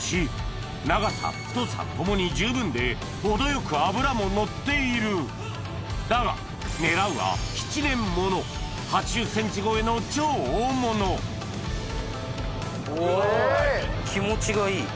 体長程よく脂ものっているだが狙うは７年物８０ｃｍ超えの超大物気持ちがいい。